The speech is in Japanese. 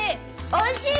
おいしい。